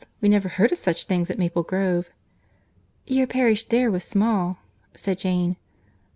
We never heard of such things at Maple Grove." "Your parish there was small," said Jane.